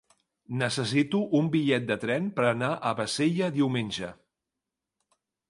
Necessito un bitllet de tren per anar a Bassella diumenge.